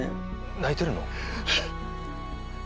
泣いてるの？